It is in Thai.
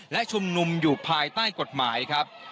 และชุมนุมอยู่ภายใต้กฎหมายครับ